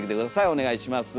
お願いします。